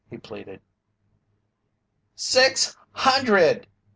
he pleaded. "SIX HUNDRED!"